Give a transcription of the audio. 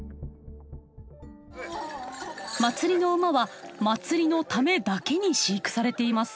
祭りの馬は祭りのためだけに飼育されています。